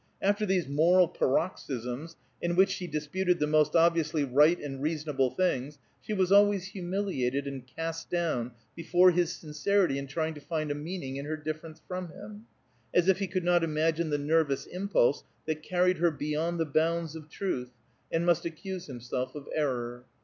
After these moral paroxysms, in which she disputed the most obviously right and reasonable things, she was always humiliated and cast down before his sincerity in trying to find a meaning in her difference from him, as if he could not imagine the nervous impulse that carried her beyond the bounds of truth, and must accuse himself of error.